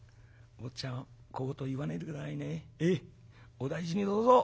お大事にどうぞ。